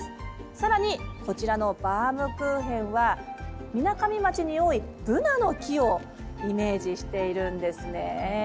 さらにこちらのバウムクーヘンはみなかみ町に多いブナの木をイメージしているんですね。